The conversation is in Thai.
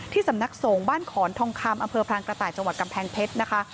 สำนักสงฆ์บ้านขอนทองคำอำเภอพรางกระต่ายจังหวัดกำแพงเพชรนะคะ